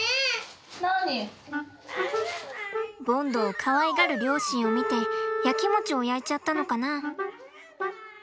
ボンドをかわいがる両親を見てやきもちをやいちゃったのかな？